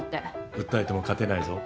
訴えても勝てないぞ。